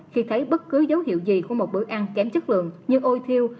khi thấy bất cứ dấu hiệu gì của một bữa ăn kém chất lượng như ôi thiêu